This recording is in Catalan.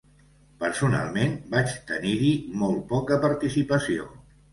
Personalment, vaig tenir-hi molt poca participació.